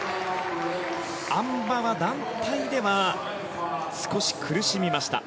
あん馬は団体では少し苦しみました。